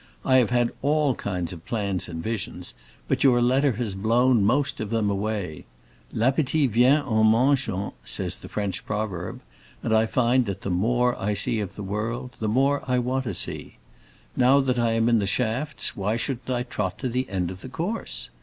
I have had all kinds of plans and visions, but your letter has blown most of them away. 'L'appétit vient en mangeant,' says the French proverb, and I find that the more I see of the world the more I want to see. Now that I am in the shafts, why shouldn't I trot to the end of the course?